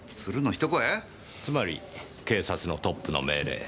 つまり警察のトップの命令。